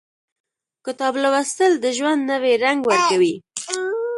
• کتاب لوستل، د ژوند نوی رنګ ورکوي.